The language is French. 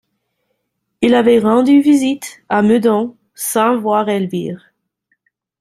Il avait rendu visite, à Meudon, sans voir Elvire.